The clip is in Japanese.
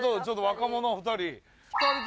ちょっと若者２人。